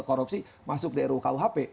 korupsi masuk di rukuhp